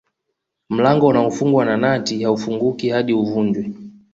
Mlango unaofungwa na nati haufunguki hadi uuvunje